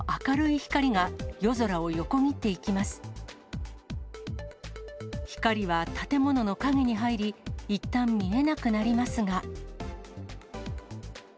光は建物の陰に入り、いったん見えなくなりますが。